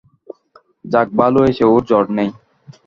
যাক ভালো হয়েছে ওর জ্বর নেই।